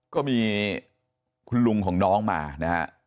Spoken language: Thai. ก็มีคุณลุงของน้องมานะฮะ